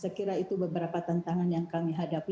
saya kira itu beberapa tantangan yang kami hadapi